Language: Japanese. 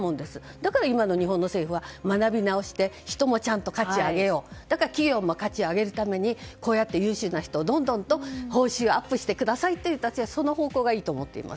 だから今の日本政府は学びなおして人の価値を上げようだから企業も価値を上げるためにこうやって優秀な人をどんどんと報酬アップしてくださいという方向がいいと思います。